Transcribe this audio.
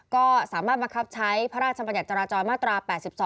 ก็สามารถเหมาะคับใช้ภรรยศสมัยนจราจรมาตรา๘๒